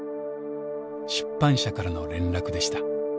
出版社からの連絡でした。